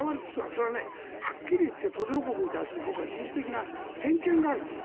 それははっきり言って途上国に対する人種的な偏見があると思う。